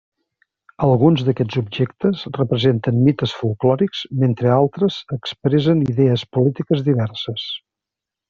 Alguns d'aquests objectes representen mites folklòrics mentre altres expressen idees polítiques diverses.